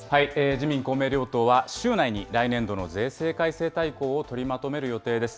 自民、公明両党は、週内に来年度の税制改正大綱を取りまとめる予定です。